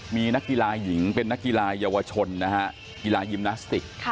มีนักกีฬาหญิงเป็นนักกีฬาเยาวชนนะฮะกีฬายิมนาสติก